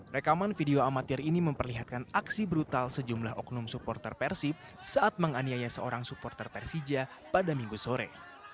rekaman video amatir ini memperlihatkan aksi brutal sejumlah oknum supporter persib saat menganiaya seorang supporter persija pada minggu sore